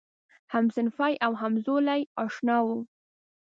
همصنفي او همزولی آشنا و.